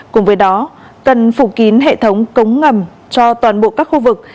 cùng với đó cần phủ kín hệ thống cống ngầm cho toàn bộ các khu vực